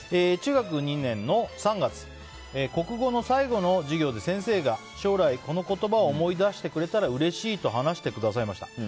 中学２年の３月国語の最後の授業で先生が、将来この言葉を思い出してくれたらうれしいと話してくださいました。